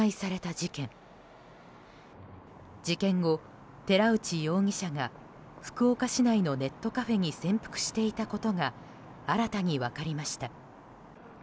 事件後、寺内容疑者が福岡市内のネットカフェに潜伏していたことが新たに分かりました。